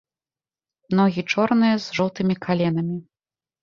Ногі чорныя, з жоўтымі каленамі.